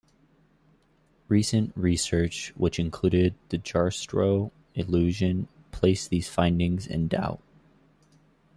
Recent research, which included the Jastrow illusion, placed these findings in doubt.